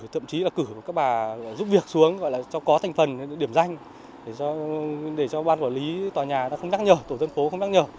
thậm chí là cử các bà giúp việc xuống gọi là cho có thành phần điểm danh để cho ban quản lý tòa nhà ta không nhắc nhở tổ dân phố không nhắc nhở